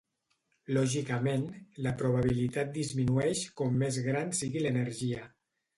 Lògicament, la probabilitat disminueix com més gran sigui l'energia.